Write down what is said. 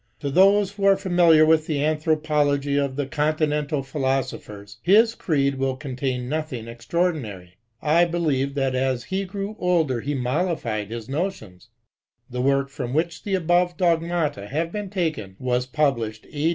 To those who are familiar with the anthropology of the Continental philosophers his creed will contain nothing extraordinary. 1 believe that as he grew older he modified his notions. The work from which the above dogmata have been taken was published A.